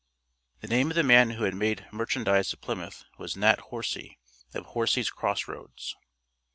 The name of the man who had made merchandise of Plymouth was Nat Horsey, of Horsey's Cross Roads.